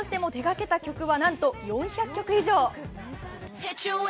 そして振り付け師としても手がけた曲はなんと４００曲以上。